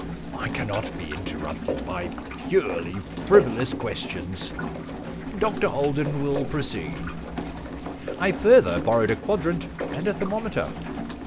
I cannot be interrupted by purely frivolous questions. Dr Alden will proceed.* 209 The Problem Club * I further borrowed a quadrant and a thermometer.'